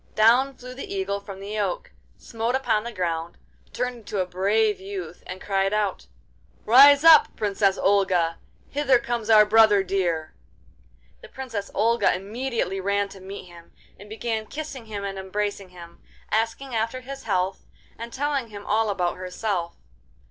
Down flew the Eagle from the oak, smote upon the ground, turned into a brave youth, and cried aloud: 'Rise up, Princess Olga! Hither comes our brother dear!' The Princess Olga immediately ran to meet him, and began kissing him and embracing him, asking after his health, and telling him all about herself.